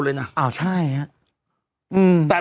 เบลล่าเบลล่า